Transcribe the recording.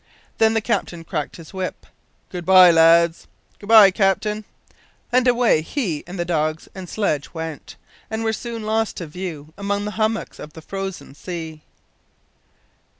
Then the captain cracked his whip. "Good bye, lads", "Good bye, captain," and away he and the dogs and sledge went, and were soon lost to view among the hummocks of the frozen sea.